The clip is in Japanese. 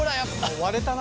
割れたな。